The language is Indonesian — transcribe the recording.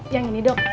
yang ini dok